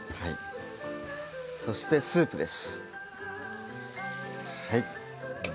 そしてスープです。